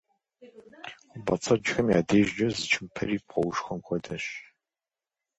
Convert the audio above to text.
Хъумпӏэцӏэджхэм я дежкӏэ зы чымпэри пкъоушхуэм хуэдэщ.